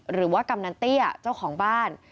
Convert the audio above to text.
หรือว่ากำนันเตี้ยเจ้าของบ้าน